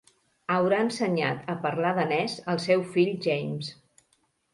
Haurà ensenyat a parlar danès al seu fill James.